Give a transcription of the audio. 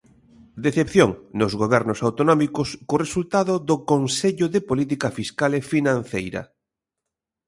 Decepción nos gobernos autonómicos co resultado do Consello de Política Fiscal e Financeira.